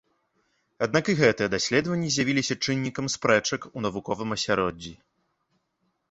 Аднак і гэтыя даследаванні з'явіліся чыннікам спрэчак у навуковым асяроддзі.